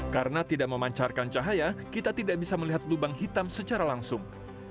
karena tidak memancarkan cahaya kita tidak bisa melihat lubang hitam secara langsung